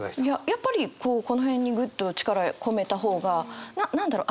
やっぱりこうこの辺にグッと力込めた方が何だろう